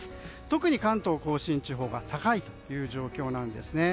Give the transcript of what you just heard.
特に関東・甲信地方が高いという状況です。